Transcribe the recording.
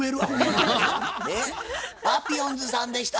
パピヨンズさんでした。